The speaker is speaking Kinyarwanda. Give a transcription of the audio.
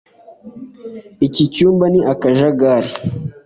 iki cyumba ni akajagari.